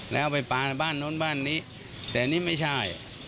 แล้วเอาไปปานบ้านนู้นบ้านนี้แต่นี่ไม่ใช่